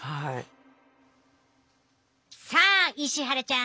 さあ石原ちゃん